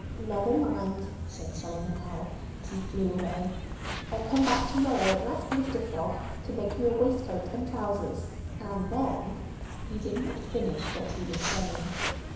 "Nevermind!" said Solomon Owl, as he flew way. "I'll come back to morrow and ask Mr. Frog to make me a waistcoat and trousers. And then——" He did not finish what he was saying.